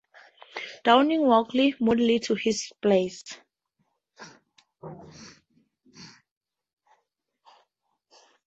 Downing walked moodily to his place.